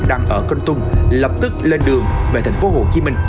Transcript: đang ở cân tung lập tức lên đường về tp hcm